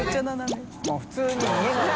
もう普通に家の。